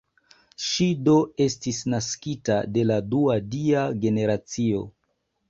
Ŝi do estis naskita de la dua dia generacio.